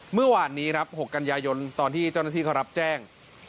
เมื่อวานนี้ครับ๖กันยายนตอนที่เจ้าหน้าที่เขารับแจ้ง